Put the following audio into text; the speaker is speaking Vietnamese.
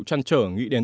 trăn trở nghĩ đến